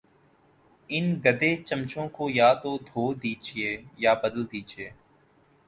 ان گدے چمچوں کو یا تو دھو دیجئے یا بدل دیجئے